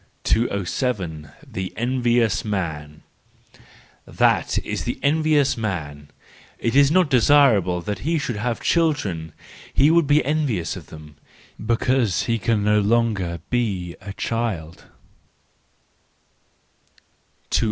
207. The Envious Man .—That is an envious man— it is not desirable that he should have children ; he would be envious of them, because he can no longer be a child.